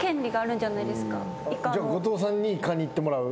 じゃあ後藤さんにイカにいってもらう？